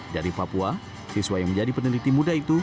dari papua siswa yang menjadi peneliti muda itu